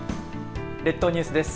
列島ニュースです。